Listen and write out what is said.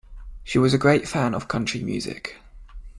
She was a great fan of country music